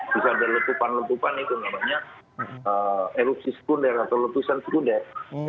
bisa ada letupan letupan itu namanya erupsi sekunder atau letusan sekunder